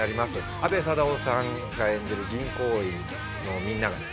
阿部サダヲさんが演じる銀行員とみんながですね